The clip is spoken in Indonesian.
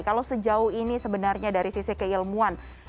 kalau sejauh ini sebenarnya dari sisi keilmuan